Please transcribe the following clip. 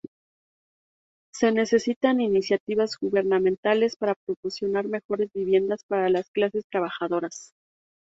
Se necesitan iniciativas gubernamentales para proporcionar mejores viviendas para las clases trabajadoras.